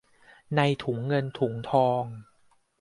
ในถุงเงินถุงทอง